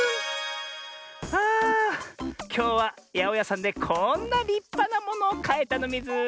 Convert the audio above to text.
あきょうはやおやさんでこんなりっぱなものをかえたのミズ。